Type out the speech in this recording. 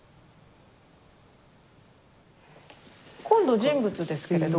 今度人物ですけれど。